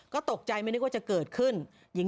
ก็ตกใจไม่นึกว่าจะเกิดขึ้น